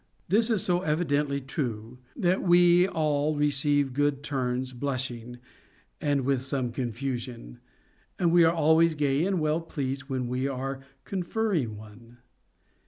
This is so evidently true, that we all re ceive good turns blushing and with some confusion, but we are always gay and well pleased when we are conferring one.